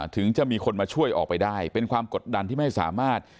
ถึงจะมีคนมาช่วยออกไปได้เป็นความกดดันที่ไม่สามารถ